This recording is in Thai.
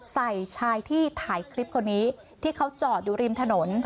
ใส่ชายที่ถ่ายคลิปคนนี้ที่เขาจอดอยู่ริมถนน